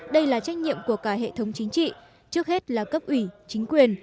đây là trách nhiệm của cả hệ thống chính trị trước hết là cấp ủy chính quyền